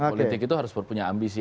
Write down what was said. politik itu harus punya ambisi